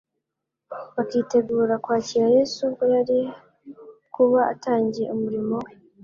bakitegura kwakira Yesu ubwo yari kuba atangiye umurimo we.